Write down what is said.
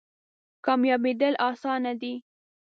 کامیابیدل اسانه دی؟